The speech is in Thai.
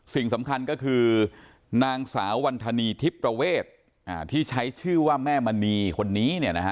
สิ่งสำคัญก็คือนางสาววันธนีทิพย์ประเวทที่ใช้ชื่อว่าแม่มณีคนนี้